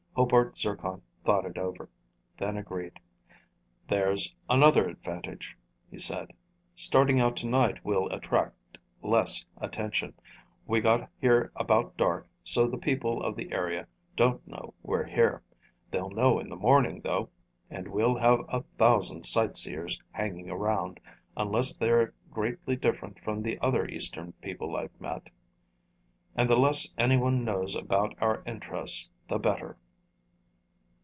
Hobart Zircon thought it over, then agreed. "There's another advantage," he added. "Starting out tonight, we'll attract less attention. We got here about dark, so the people of the area don't know we're here. They'll know in the morning, though, and we'll have a thousand sight seers hanging around, unless they're greatly different from the other Eastern people I've met. And the less anyone knows about our interests, the better."